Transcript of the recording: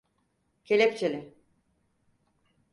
Kelepçele.